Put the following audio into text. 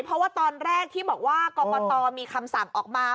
เพราะว่าตอนแรกที่บอกว่ากรกตมีคำสั่งออกมา